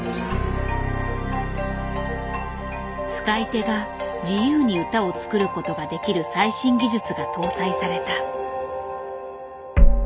使い手が自由に歌を作ることができる最新技術が搭載された。